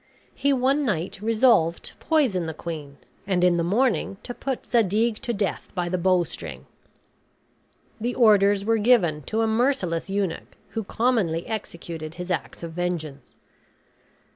He one night resolved to poison the queen and in the morning to put Zadig to death by the bowstring. The orders were given to a merciless eunuch, who commonly executed his acts of vengeance.